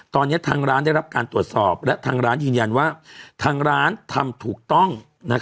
ตอนนี้ทางร้านได้รับการตรวจสอบและทางร้านยืนยันว่าทางร้านทำถูกต้อง